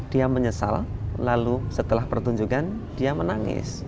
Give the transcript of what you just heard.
dia menyesal lalu setelah pertunjukan dia menangis